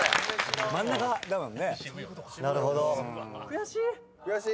悔しい！